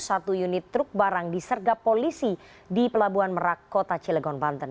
satu unit truk barang disergap polisi di pelabuhan merak kota cilegon banten